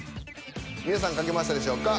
皆さん書けましたでしょうか。